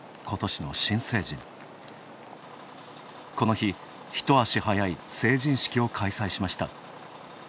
この日、一足早い成人式を開催しました。